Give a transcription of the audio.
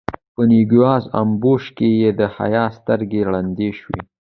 په نوږيز امبوش کې يې د حيا سترګې ړندې شوې.